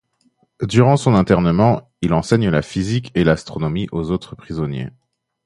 Durant son internement il enseigne la physique et l'astronomie aux autres prisonniers.